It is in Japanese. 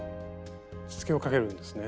しつけをかけるんですね。